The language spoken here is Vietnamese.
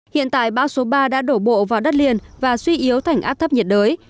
hiện tại bão số ba đã đổ bộ vào đất liền và suy yếu thành áp thấp nhiệt đới